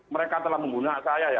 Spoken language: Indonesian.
mereka telah membunuh anak saya ya